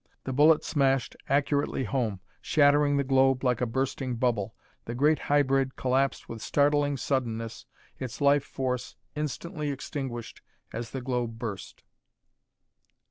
The bullet smashed accurately home, shattering the globe like a bursting bubble. The great hybrid collapsed with startling suddenness, its life force instantly extinguished as the globe burst.